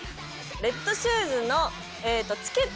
『レッドシューズ』のチケットを。